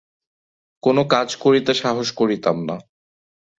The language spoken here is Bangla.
কোনো কাজ করিতে সাহস করিতাম না।